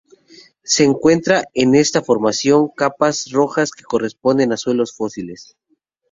Se encuentran en esta formación capas rojas que corresponden a suelos fósiles.